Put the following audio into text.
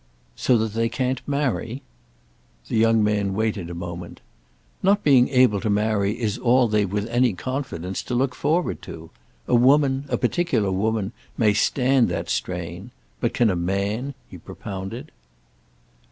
"So that they can't marry?" The young man waited a moment. "Not being able to marry is all they've with any confidence to look forward to. A woman—a particular woman—may stand that strain. But can a man?" he propounded.